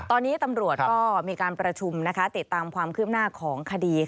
ตอนนี้ตำรวจก็มีการประชุมนะคะติดตามความคืบหน้าของคดี